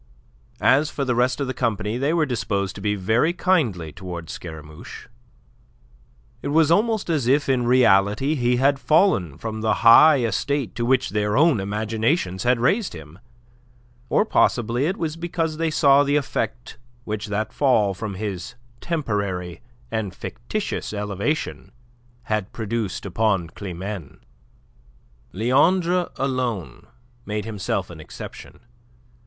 As for the rest of the company, they were disposed to be very kindly towards Scaramouche. It was almost as if in reality he had fallen from the high estate to which their own imaginations had raised him; or possibly it was because they saw the effect which that fall from his temporary and fictitious elevation had produced upon Climene. Leandre alone made himself an exception.